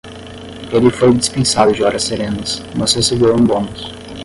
Ele foi dispensado de horas serenas, mas recebeu um bônus.